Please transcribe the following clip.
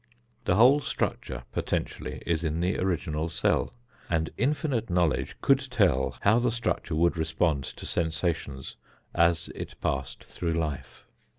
The whole structure, potentially, is in the original cell, and infinite knowledge could tell how the structure would respond to sensations as it passed through life.